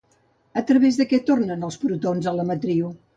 A través de què tornen els protons a la matriu?